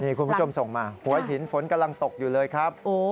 คุณผู้ชมส่งมาหัวหินฝนกำลังตกอยู่เลยครับ